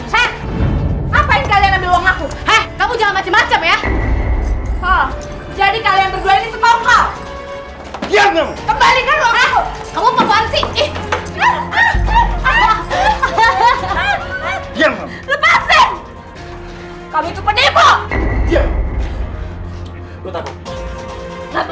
hai lepasin kamu pedih kok dia hai butuh ikut gak mau ibu ibu ibu ibu ibu ibu